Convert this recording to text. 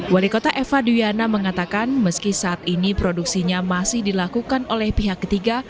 wali kota eva duyana mengatakan meski saat ini produksinya masih dilakukan oleh pihak ketiga